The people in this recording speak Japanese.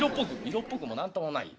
「色っぽくも何ともないよ。